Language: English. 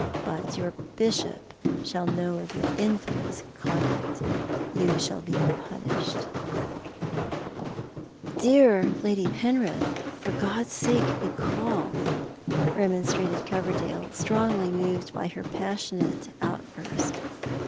But your Bishop shall know of your infamous conduct — you shall be punished " "Dear Lady Penrith, for God's sake be calm," remonstrated Coverdale, strongly moved by her passionate outburst.